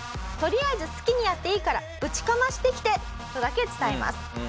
「とりあえず好きにやっていいからぶちかましてきて！」とだけ伝えます。